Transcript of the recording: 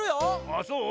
あっそう？